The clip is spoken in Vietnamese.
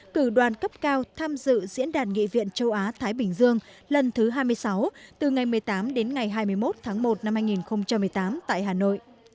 cử đoàn cấp cao tham dự diễn đàn nghị viện châu á thái bình dương lần thứ hai mươi sáu từ ngày một mươi tám đến ngày hai mươi một tháng một năm hai nghìn một mươi tám tại hà nội